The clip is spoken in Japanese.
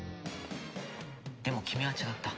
でも君は違った。